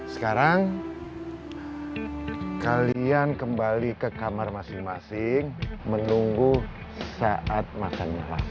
sekarang kalian kembali ke kamar masing masing menunggu saat makan malam